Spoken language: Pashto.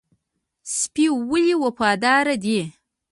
سپی ولې وفادار دی؟